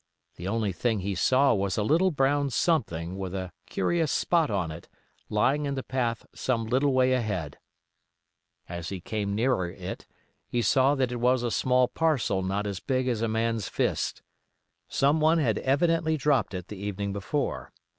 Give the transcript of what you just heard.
The only thing he saw was a little brown something with a curious spot on it lying in the path some little way ahead. As he came nearer it, he saw that it was a small parcel not as big as a man's fist. Someone had evidently dropped it the evening before.